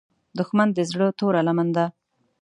دښمن د زړه توره لمن ده